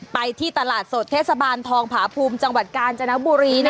ไปที่ตลาดสดเทศบาลทองผาภูมิจังหวัดกาญจนบุรี